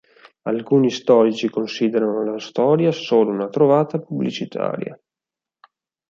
Alcuni storici considerano la storia solo una trovata pubblicitaria.